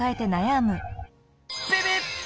ビビッ！